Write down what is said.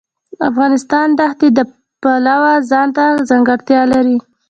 افغانستان د ښتې د پلوه ځانته ځانګړتیا لري.